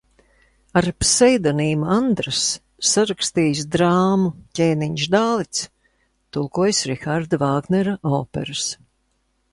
"Ar pseidonīmu Andrass sarakstījis drāmu "Ķēniņš Dāvids", tulkojis Riharda Vāgnera operas."